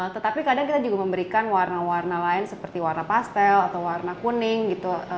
tetapi kadang kita juga memberikan warna warna lain seperti warna pastel atau warna kuning gitu